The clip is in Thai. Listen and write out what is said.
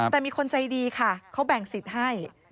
แต่มีคนใจดีค่ะเขาแบ่งสิทธิ์ให้